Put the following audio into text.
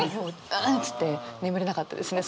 「ぁっ！！」つって眠れなかったですね